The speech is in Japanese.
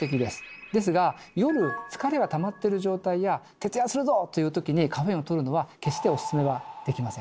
ですが夜疲れがたまってる状態や徹夜するぞっていうときにカフェインをとるのは決してお勧めはできません。